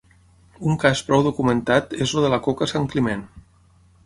Un cas prou documentat és el de la Coca Sant Climent.